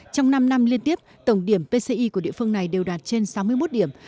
trong năm năm liên tiếp tổng điểm pci của địa phương này đều đạt trên sáu mươi một điểm